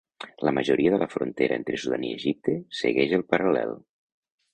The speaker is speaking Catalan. La majoria de la frontera entre Sudan i Egipte segueix el paral·lel.